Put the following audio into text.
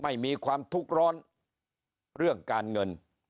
ไม่มีความทุกข์ร้อนเรื่องการเงิน